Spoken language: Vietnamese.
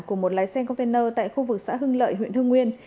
của một lái xe container tại khu vực xã hưng lợi huyện hương nguyên